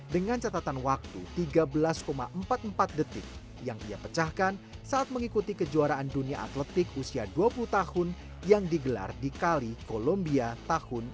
dengan catatan waktu tiga belas empat puluh empat detik yang ia pecahkan saat mengikuti kejuaraan dunia atletik usia dua puluh tahun yang digelar di kali columbia tahun dua ribu dua